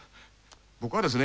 僕はですね